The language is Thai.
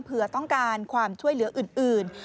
เพื่อต้องการความช่วยเหลืออื่น